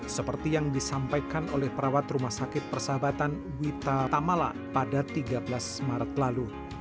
seperti yang disampaikan oleh perawat rumah sakit persahabatan wita tamala pada tiga belas maret lalu